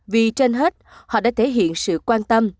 vì trên hết họ đã thể hiện sự quan tâm